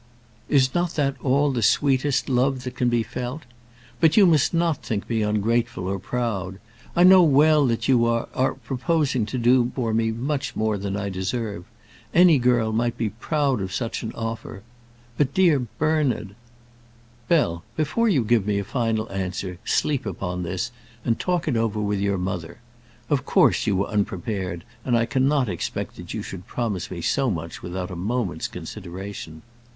"Is not that all the sweetest love that can be felt? But you must not think me ungrateful, or proud. I know well that you are are proposing to do for me much more than I deserve. Any girl might be proud of such an offer. But, dear Bernard " "Bell, before you give me a final answer, sleep upon this and talk it over with your mother. Of course you were unprepared, and I cannot expect that you should promise me so much without a moment's consideration."